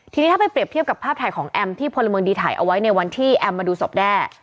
ทีนี้ถ้าไปเรียบเทียบกับภาพถ่ายของแอมที่พลเมืองดีถ่ายเอาไว้ในวันที่แอมมาดูศพแด้